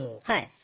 はい。